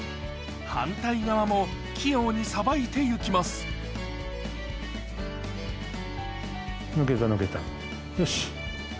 反対側も器用にさばいて行きます抜けた抜けたよし。